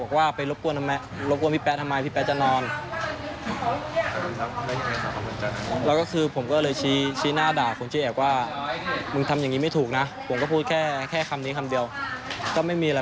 แค่คำนี้คำเดียวก็ไม่มีอะไร